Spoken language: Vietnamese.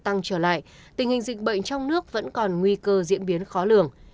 tăng trở lại tình hình dịch bệnh trong nước vẫn còn nguy cơ diễn biến khó lường